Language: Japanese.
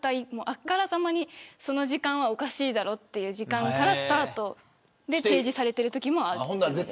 あからさまにその時間はおかしいだろうっていう時間からスタートで提示されているときもあります。